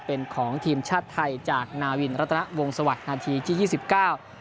เป็นของทีมชาติไทยจากนาวินรัตนวงสวัสดิ์นาทีที่ยี่สิบเก้า